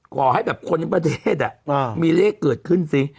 ขอให้แบบคนในประเทศมีเลขเกิดขึ้นซิ